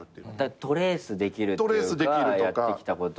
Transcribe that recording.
トレースできるっていうかやってきたことを。